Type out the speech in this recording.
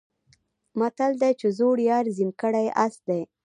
متل دی چې زوړ یار زین کړی آس دی.